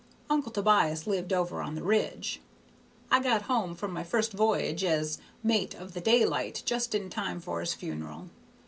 Uncle Tobias lived over on the Ridge. I got home from my first v'y'ge as mate of the Daylight just in time for his funeral.